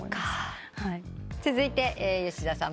続いて吉澤さん。